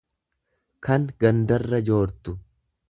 kan gandarra joortu.